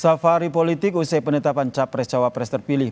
safari politik usai penetapan capres cawapres terpilih